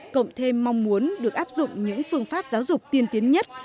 cộng thêm mong muốn được áp dụng những phương pháp giáo dục tiên tiến nhất